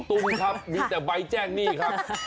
ตุ้มครับมีแต่ใบแจ้งหนี้ครับ